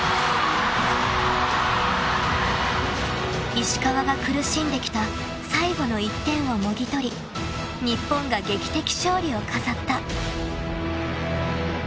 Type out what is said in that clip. ［石川が苦しんできた最後の１点をもぎ取り日本が劇的勝利を飾った］